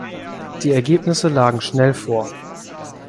Die Ergebnisse lagen schnell vor.